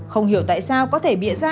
không hiểu tại sao có thể bịa ra